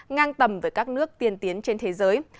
ngang tầm với các nước tiên tiến trên thế giới